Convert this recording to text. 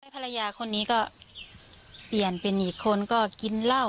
ภรรยาคนนี้ก็เปลี่ยนเป็นอีกคนก็กินเหล้า